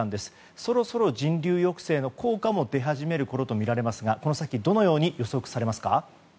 そろそろ人流抑制の効果も出始めるころとみられますがこの先どのように予測しますか。